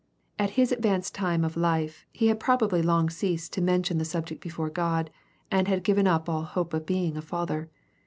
At his advanced time of life, he had probably long ceased to mention the subject before God, and had given up all hope of being a father.